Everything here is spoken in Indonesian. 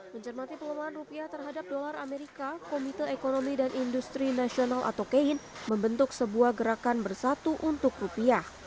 mencermati pelemahan rupiah terhadap dolar amerika komite ekonomi dan industri nasional atau kein membentuk sebuah gerakan bersatu untuk rupiah